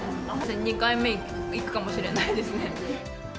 ２回目行くかもしれないですね。